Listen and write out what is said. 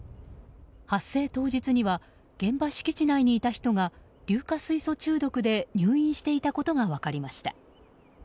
発生当日には現場敷地内にいた人が硫化水素中毒で入院していたことが分かりました。